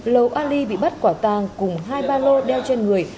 lầu ali bị bắt quả tàng cùng hai ba lô đeo trên người